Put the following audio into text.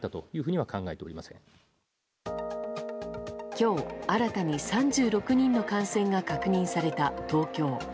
今日、新たに３６人の感染が確認された東京。